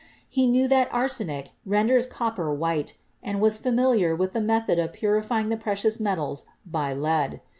He knew that arsenic renders copper white and he was familiar with the method of purifying the precious metals by lead.